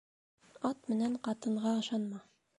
Ат менән ҡатынға ышанма.